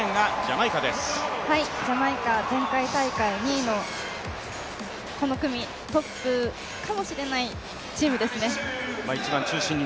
ジャマイカ、前回大会２位のこの組トップかもしれないチームですね。